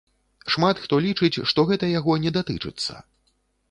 Шмат хто лічыць, што гэта яго не датычыцца.